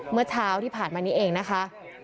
เมื่อเช้าที่ผ่านมานี้เองนะคะ